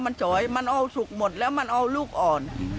มันจอยมันเอาสุกหมดแล้วมันเอาลูกอ่อน